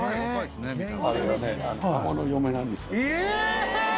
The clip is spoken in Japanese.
あれはね孫の嫁なんですが。